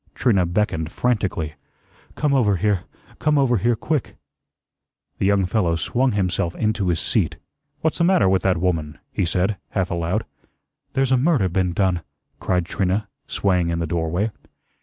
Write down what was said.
Trina beckoned frantically. "Come over here, come over here quick." The young fellow swung himself into his seat. "What's the matter with that woman?" he said, half aloud. "There's a murder been done," cried Trina, swaying in the doorway.